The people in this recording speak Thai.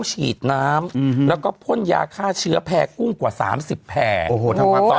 ฉีดน้ำแล้วก็พ่นยาฆ่าเชื้อแพร่กุ้งกว่าสามสิบแพร่โอ้โหทำมาตอน